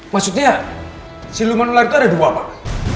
maksudnya siluman ular itu ada dua pak